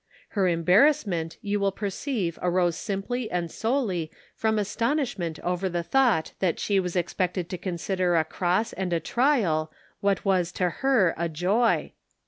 Her embarrass ment you will perceive arose simply and solely from astonishment over the thought that she was expected to consider a cross and a trial what was to her a joy.